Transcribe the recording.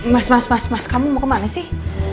mas mas mas kamu mau kemana sih